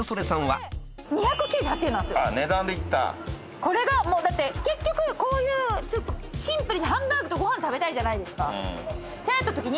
これがもうだって結局こういうちょっとシンプルにハンバーグとご飯食べたいじゃないですかってなったときに。